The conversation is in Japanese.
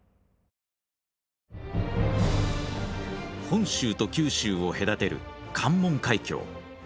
本州と九州を隔てる関門海峡。